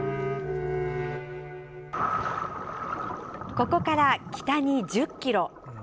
ここから北に１０キロ。